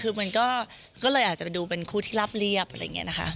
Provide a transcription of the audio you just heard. คือมันก็เลยอาจจะไปดูเป็นคู่ที่รับเรียบอะไรอย่างนี้นะคะ